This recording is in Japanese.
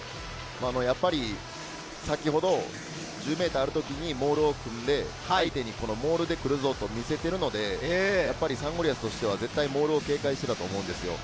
やっぱり先ほど１０ｍある時にモールを組んで、相手にモールで来るぞと見せているので、サンゴリアスとしては絶対モールを警戒していたと思うんですよ。